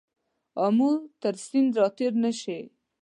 آمو تر سیند را تېر نه شې.